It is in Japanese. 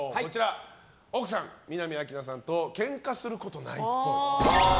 奥さん・南明奈さんとケンカすることないっぽい。